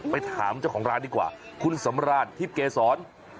ไปถามเจ้าของร้านดีกว่าคุณสำรานทิพย์เกษร